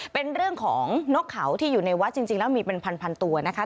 เป็นเรื่องของนกเขาที่อยู่ในวัดจริงแล้วมีเป็นพันตัวนะคะ